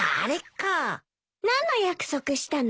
何の約束したの？